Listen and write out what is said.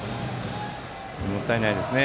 もったいないですね。